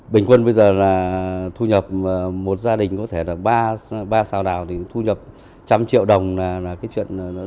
bình quân bây giờ là thu nhập một gia đình có thể là ba sao đào thì thu nhập trăm triệu đồng là cái chuyện rất là đơn giản rồi